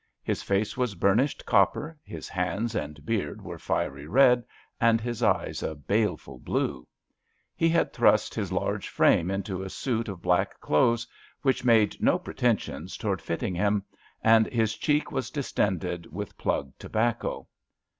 His face was burnished copper, his hands and beard were fiery red and his eyes a baleful blue. He had thrust his large frame into a suit of black clothes which made no pretensions toward fitting him, and his cheek was distended with plug tobacco.